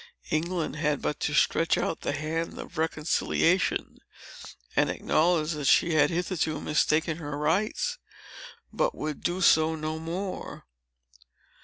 England had but to stretch out the hand of reconciliation, and acknowledge that she had hitherto mistaken her rights but would do so no more.